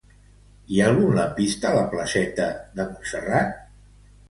Hi ha algun lampista a la placeta de Montserrat?